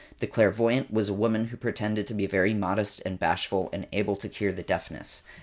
The clairvoyant was a woman who pretended to be very modest and bashful and able to cure the deafness.